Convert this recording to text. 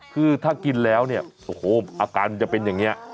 คือถ้ากินแล้วเนี่ยโอ้โหอาการมันจะเป็นอย่างนี้